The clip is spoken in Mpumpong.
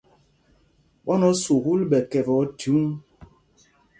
Ɓwán o sukûl ɓɛ kɛpɛ óthyǔŋ?